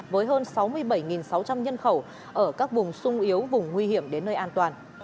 với hơn sáu mươi bảy sáu trăm linh nhân khẩu ở các vùng sung yếu vùng nguy hiểm đến nơi an toàn